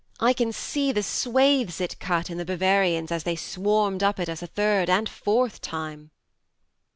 I can see the swathes it cut in the Bavarians as they swarmed up at us a third and fourth time.